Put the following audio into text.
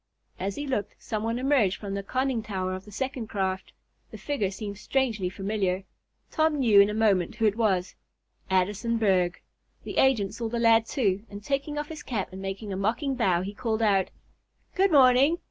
As he looked, some one emerged from the conning tower of the second craft. The figure seemed strangely familiar. Tom knew in a moment who it was Addison Berg. The agent saw the lad, too, and taking off his cap and making a mocking bow, he called out: "Good morning!